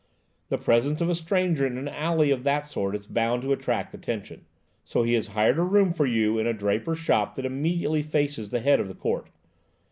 The presence of a stranger in an alley of that sort is bound to attract attention. So he has hired a room for you in a draper's shop that immediately faces the head of the court.